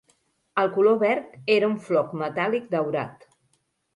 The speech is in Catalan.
El color verd era un floc metàl·lic daurat.